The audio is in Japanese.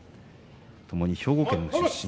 ともに兵庫県出身。